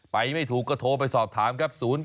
ไปไม่ถูกก็โทรไปสอบถามครับ๐๙๕๐๓๗๘๙๑๖